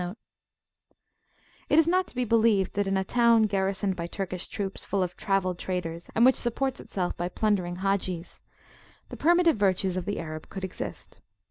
[FN#31] It is not to be believed that in a town garrisoned by Turkish troops, full of travelled traders, and which supports itself by plundering Hajis, the primitive virtues of the Arab could exist.